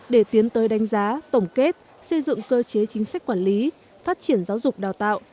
để tiến tới đánh giá tổng kết xây dựng cơ chế chính sách quản lý phát triển giáo dục đào tạo